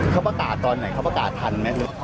เขาประกาศตอนไหนเขาประกาศทันไหม